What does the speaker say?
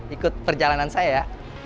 ikut perjalanan saya ya